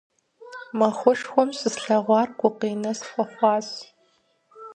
Махуэшхуэм щыслъэгъуар гукъинэ схуэхъуащ.